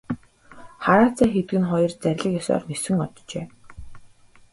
Хараацай хэдгэнэ хоёр зарлиг ёсоор нисэн оджээ.